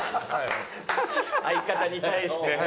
相方に対してね。